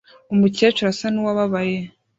Umukecuru asa n'uwababaye